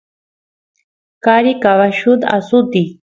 qari caballut asutiy